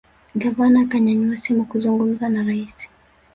gavana akanyanyua simu kuzungumza na raisi